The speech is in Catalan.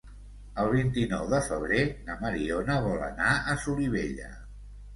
El vint-i-nou de febrer na Mariona vol anar a Solivella.